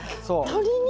そう。